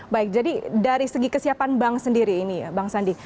baik jadi dari segi kesiapan bank sendiri ini